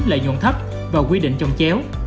lợi nhuận thấp và quy định trồng chéo